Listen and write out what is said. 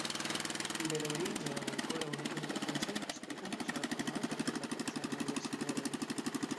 Bedaŭrinde oni ankoraŭ ne interkonsentis pri unusola formato por la koncernaj dosieroj.